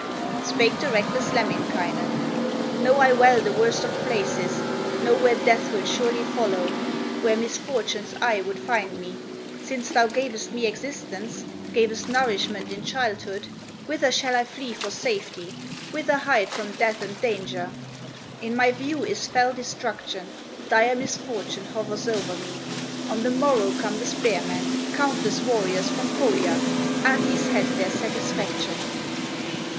Spake the reckless Lemminkainen: "Know I well the worst of places, Know where Death will surely follow, Where misfortune's eye would find me; Since thou gavest me existence, Gavest nourishment in childhood, Whither shall I flee for safety, Whither hide from death and danger? In my view is fell destruction, Dire misfortune hovers o'er me; On the morrow come the spearmen, Countless warriors from Pohya, Ahti's head their satisfaction."